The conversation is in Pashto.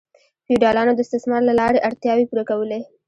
فیوډالانو د استثمار له لارې اړتیاوې پوره کولې.